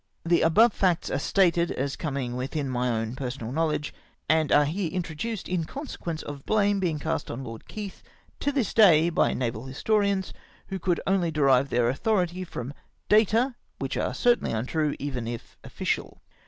The above facts are stated as comins' LOED ST. VINCENT EESIGNS THE COMMAND. 85 witliiii my own personal knowledge, and are here in troduced in consequence of blame being cast on Lord Keith to this day by naval historians, who could only derive their authority from data which are certainly untrue — even if official.